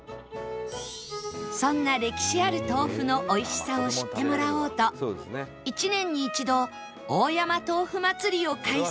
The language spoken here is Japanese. そんな歴史ある豆腐のおいしさを知ってもらおうと１年に一度大山とうふまつりを開催